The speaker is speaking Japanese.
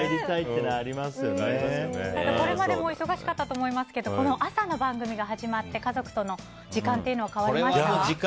これまでも忙しかったと思いますけども朝の番組が始まって家族との時間というのは変わりました？